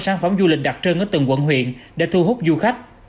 sản phẩm du lịch đặc trưng ở từng quận huyện để thu hút du khách